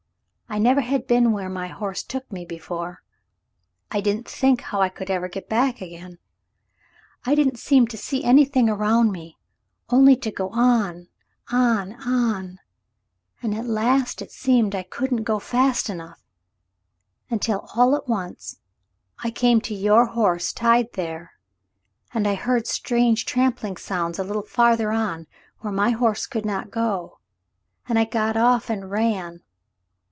I never had been where my horse took me before. I didn't think how I ever could get back again. I didn't seem to see anything around me — only to go on — on — on, and at last it seemed I couldn't go fast enough, until all at once I came to your horse tied there, and I heard strange trampling sounds a little farther on where my horse could not go — and I got off and ran.